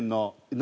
「何？